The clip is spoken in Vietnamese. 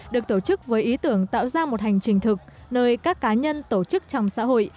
được tổ chức với ý tưởng tạo ra một hành trình thực nơi các cá nhân tổ chức trong xã hội